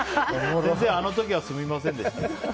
先生、あの時はすみませんでした。